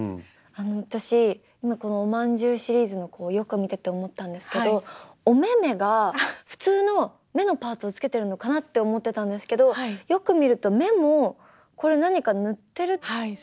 私今このおまんじゅうシリーズの子をよく見てて思ったんですけどお目目が普通の目のパーツをつけてるのかなって思ってたんですけどよく見ると目もこれ何か塗ってる？